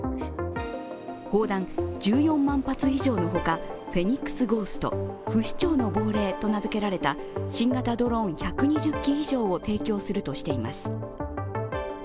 砲弾１４万発以上のほかフェニックスゴースト＝不死鳥の亡霊と名づけられた新型ドローン１２０機以上を提供するとしています。